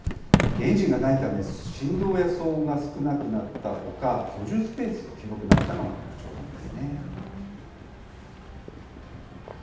エンジンがないため、振動や騒音が少なくなったほか、居住スペースが広くなったのが特徴なんですね。